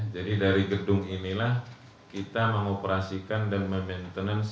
jadi dari gedung inilah kita mengoperasikan dan memantenance